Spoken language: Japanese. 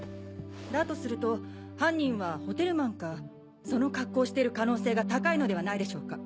だとすると犯人はホテルマンかその格好をしている可能性が高いのではないでしょうか。